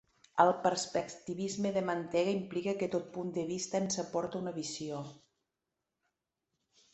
El perspectivisme de Mantega implica que tot punt de vista ens aporta una visió.